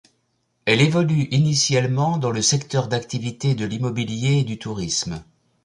Elle évolue initialement dans le secteur d'activité de l'immobilier et du tourisme.